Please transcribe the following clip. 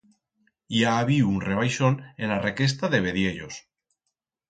I ha habiu un rebaixón en la requesta de vediellos.